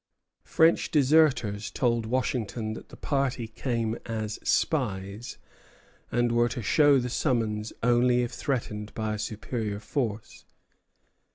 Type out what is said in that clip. French deserters told Washington that the party came as spies, and were to show the summons only if threatened by a superior force.